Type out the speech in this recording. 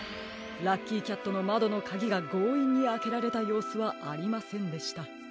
ラッキーキャットのまどのカギがごういんにあけられたようすはありませんでした。